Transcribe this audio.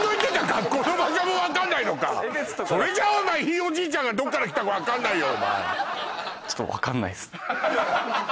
自分が行ってたそれじゃあお前ひいおじいちゃんがどっから来たか分かんないよ